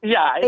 ya itu kan